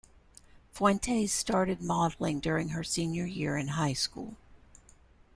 Fuentes started modeling during her senior year in high school.